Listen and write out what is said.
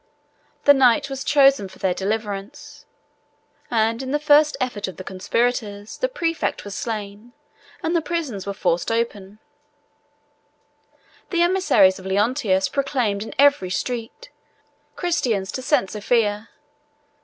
The night was chosen for their deliverance; and in the first effort of the conspirators, the præfect was slain, and the prisons were forced open: the emissaries of Leontius proclaimed in every street, "Christians, to St. Sophia!"